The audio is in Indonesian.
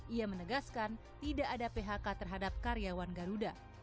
ia menegaskan tidak ada phk terhadap karyawan garuda